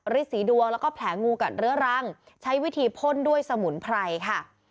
สีดวงแล้วก็แผลงูกัดเรื้อรังใช้วิธีพ่นด้วยสมุนไพรค่ะ